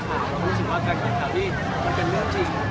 เรารู้สึกว่าการแข่งขันที่มันเป็นเรื่องจริง